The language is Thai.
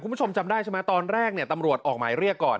คุณผู้ชมจำได้ใช่ไหมตอนแรกเนี่ยตำรวจออกหมายเรียกก่อน